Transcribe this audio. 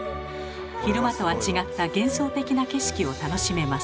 昼間とは違った幻想的な景色を楽しめます。